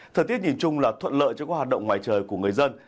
thời tiết nhìn chung là thuận lợi cho các hoạt động ngoài trời của người dân